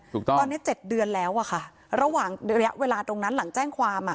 ตอนนี้๗เดือนแล้วค่ะระหว่างเวลาตรงนั้นหลังแจ้งความ